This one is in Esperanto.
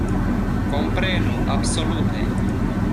Komprenu, absolute!